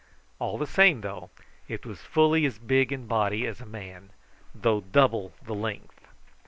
All the same, though, it was fully as big in body as a man, though double the length.